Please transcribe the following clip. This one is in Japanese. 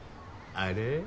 あれ？